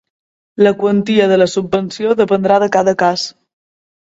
La quantia de la subvenció dependrà de cada cas.